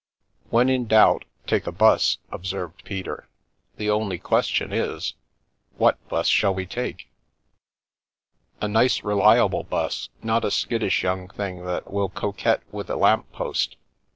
" When in doubt take a This," observed Peter. " The only question is, what 'bus shall we take ?" Where the 'Bus Went " A nice, reliable This, not a skittish young thing that will cpquet with a lamp post.